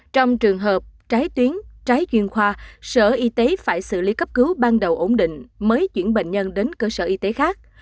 trong trường hợp trái tuyến trái chuyên khoa sở y tế phải xử lý cấp cứu ban đầu ổn định mới chuyển bệnh nhân đến cơ sở y tế khác